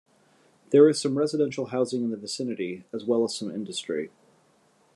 There is some residential housing in the vicinity, as well as some industry.